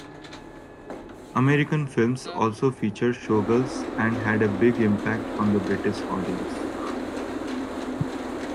American films also featured showgirls and had a big impact on the British audience.